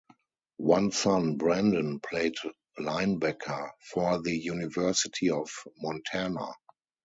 One son, Brandon, played linebacker for the University of Montana.